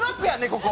ここ？